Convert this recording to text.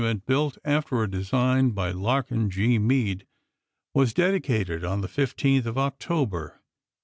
xvl inent, built after a design by Larkin G. Mead, was dedicated on the 15th of October, 1874.